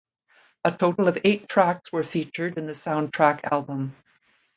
A total of eight tracks were featured in the soundtrack album.